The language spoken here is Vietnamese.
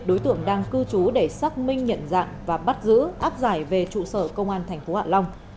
đối tượng đang cư trú để xác minh nhận dạng và bắt giữ áp giải về trụ sở công an tp hạ long